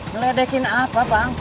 ngeledekin apa bang